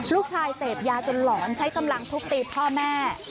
เสพยาจนหลอนใช้กำลังทุบตีพ่อแม่